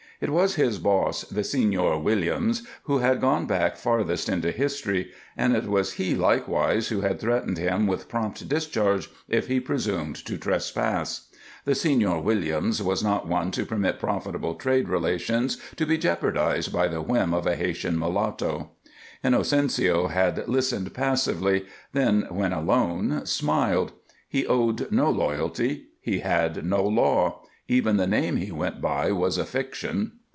It was his boss, the Señor Williams, who had gone back farthest into history, and it was he likewise who had threatened him with prompt discharge if he presumed to trespass. The Señor Williams was not one to permit profitable trade relations to be jeopardized by the whim of a Haytian mulatto. Inocencio had listened passively; then, when alone, smiled. He owed no loyalty. He had no law. Even the name he went by was a fiction.